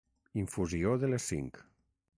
Infusió de les cinc.